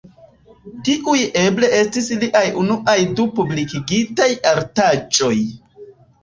Tiuj eble estis liaj unuaj du publikigitaj artaĵoj.